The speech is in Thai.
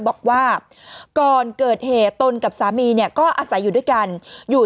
บอกว่าก่อนเกิดเหตุตนกับสามีเนี่ยก็อาศัยอยู่ด้วยกันอยู่